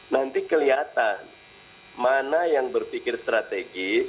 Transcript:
nanti kelihatan mana yang berpikir strategis